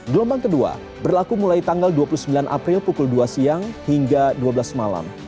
gelombang kedua berlaku mulai tanggal dua puluh sembilan april pukul dua siang hingga dua belas malam